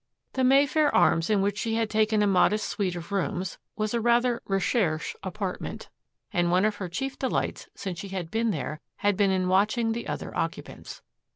The Mayfair Arms, in which she had taken a modest suite of rooms, was a rather recherche apartment, and one of her chief delights since she had been there had been in watching the other occupants.